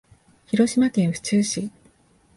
広島県府中市